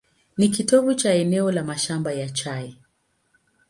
Ni kitovu cha eneo la mashamba ya chai.